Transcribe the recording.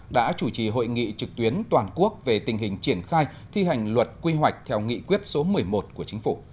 đã chủ trì hội nghị trực tuyến toàn quốc về tình hình triển khai thi hành luật quy hoạch theo nghị quyết số một mươi một của chính phủ